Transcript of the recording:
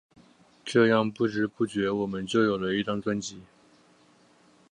这样不知不觉我们就有了一张专辑。